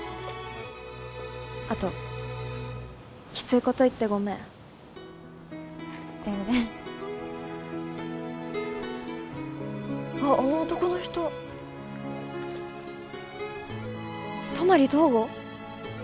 あときついこと言ってごめん全然あっあの男の人泊東吾？